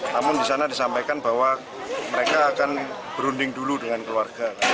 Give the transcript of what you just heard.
namun di sana disampaikan bahwa mereka akan berunding dulu dengan keluarga